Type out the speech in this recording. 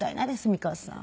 美川さん。